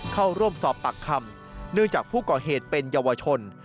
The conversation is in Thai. เข้าร่วมสอบปากคำเนื่องจากผู้ก่อเหตุเป็นเยาวชน